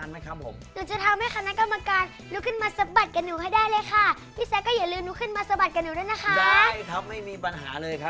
นี่คือแม่สเต้นเท่นนะครับเอาเฉินลูก